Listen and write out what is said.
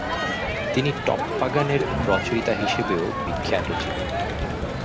তিনি টপ্পাগানের রচয়িতা হিসাবেও বিখ্যাত ছিলেন।